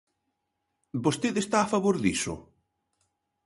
¿Vostede está a favor diso?